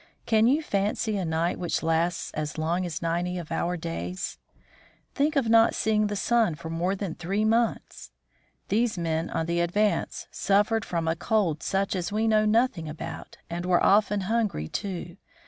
Can you fancy a night which lasts as long as ninety of our days? Think of not seeing the sun for more than three months! These men on the Advance suffered from a cold such as we know nothing about, and were often hungry too.